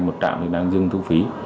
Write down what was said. một trạm thì đang dưng thu phí